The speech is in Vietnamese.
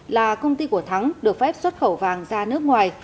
là công ty của thắng được phép xuất khẩu vàng ra nước nguyễn thắng